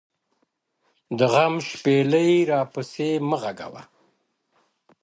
د غم شپيلۍ راپسي مه ږغـوه’